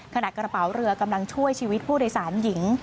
กระเป๋าเรือกำลังช่วยชีวิตผู้โดยสารหญิง